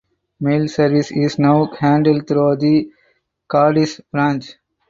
Mail service is now handled through the Cadiz branch.